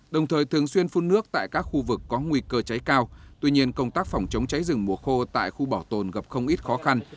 đồng thời thường xuyên phun nước tại các khu vực có nguy cơ cháy cao tuy nhiên công tác phòng chống cháy rừng mùa khô tại khu bảo tồn gặp không ít khó khăn